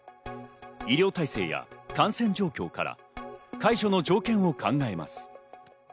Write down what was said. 医療体制や感染状況から解除の条件を考えます。